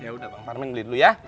ya udah bang farmin beli dulu ya